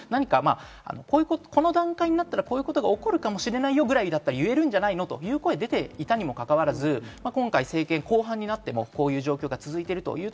この段階になったらこういうことが起こるかもしれないぐらい言えるんじゃないの？という声が出ていたにもかかわらず、政権後半でもこういう状況が続いています。